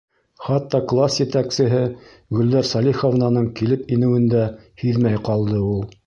Хатта класс етәксеһе Гөлдәр Сәлиховнаның килеп инеүен дә һиҙмәй ҡалды ул.